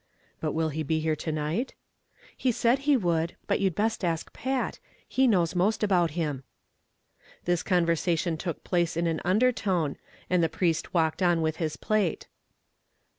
"But will he be here to night?" "He said he would; but you'd best ask Pat, he knows most about him." This conversation took place in an under tone, and the priest walked on with his plate.